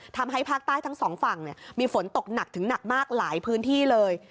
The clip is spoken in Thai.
ทำให้ภาคใต้ทั้งสองฝั่งมีฝนตกหนักถึงหนักมากหลายพื้นที่เลย